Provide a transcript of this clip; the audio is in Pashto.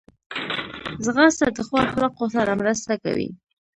ځغاسته د ښو اخلاقو سره مرسته کوي